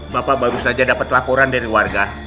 bapak baru saja dapat laporan dari warga